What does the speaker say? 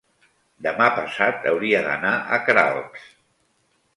demà passat hauria d'anar a Queralbs.